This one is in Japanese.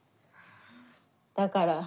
だから